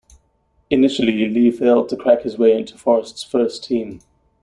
Initially, Lee failed to crack his way into Forest's first team.